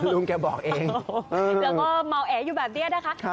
ลุงแกบอกเองแล้วก็เมาแออยู่แบบนี้นะคะ